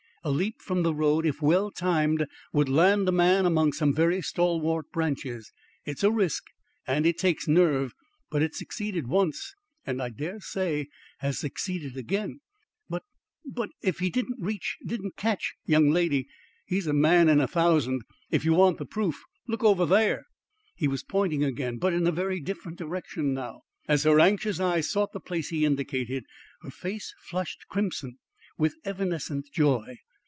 "A leap from the road, if well timed, would land a man among some very stalwart branches. It's a risk and it takes nerve; but it succeeded once, and I dare say has succeeded again." "But but if he didn't reach didn't catch " "Young lady, he's a man in a thousand. If you want the proof, look over there." He was pointing again, but in a very different direction now. As her anxious eye sought the place he indicated, her face flushed crimson with evanescent joy.